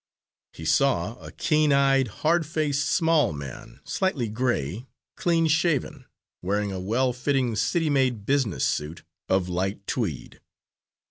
He saw a keen eyed, hard faced small man, slightly gray, clean shaven, wearing a well fitting city made business suit of light tweed.